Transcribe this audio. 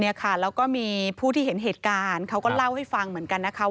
เนี่ยค่ะแล้วก็มีผู้ที่เห็นเหตุการณ์เขาก็เล่าให้ฟังเหมือนกันนะคะ